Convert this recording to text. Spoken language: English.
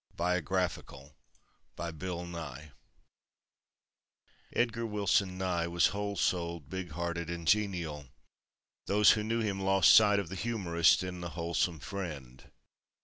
Biographical Edgar Wilson Nye was whole souled, big hearted and genial. Those who knew him lost sight of the humorist in the wholesome friend.